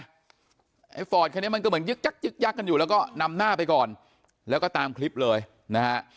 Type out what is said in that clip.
ไอ้ฟอร์ดคันนี้มันก็เหมือนยึกยักยึกยักกันอยู่แล้วก็นำหน้าไปก่อนแล้วก็ตามคลิปเลยนะฮะ